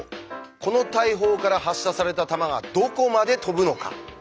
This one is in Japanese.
この大砲から発射された弾がどこまで飛ぶのか。